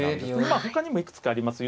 まあほかにもいくつかあります。